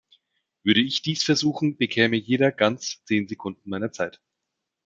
Würde ich dies versuchen, bekäme jeder ganz zehn Sekunden meiner Zeit.